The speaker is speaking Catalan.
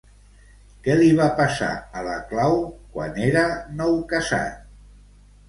Què li va passar a la clau quan era noucasat?